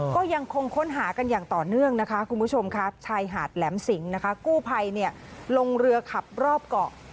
ก็ยังคงค้นหากันอย่างต่อเนื่องนะคะคุณผู้ชมค่ะชายหาดแหลมสิงนะคะกู้ภัยลงเรือขับรอบเกาะ